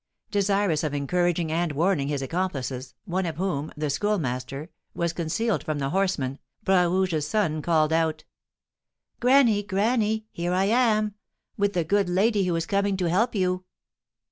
Desirous of encouraging and warning his accomplices, one of whom, the Schoolmaster, was concealed from the horsemen, Bras Rouge's son called out: "Granny! granny! here I am! with the good lady who is coming to help you!"